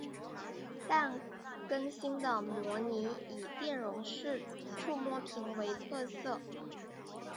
但更新的模型以电容式触摸屏为特色。